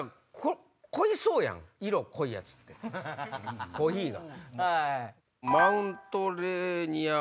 濃いそうやん色濃いやつってコーヒーが。